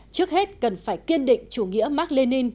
trước hết cần phải kiên định chủ nghĩa mark lenin